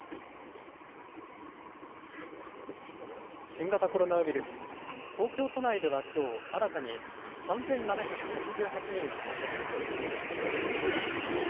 新型コロナウイルス東京都内ではきょう新たに３７８８人の感染が確認されました。